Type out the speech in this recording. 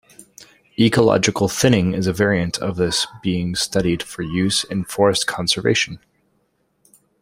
Ecological thinning is a variant of this being studied for use in forest conservation.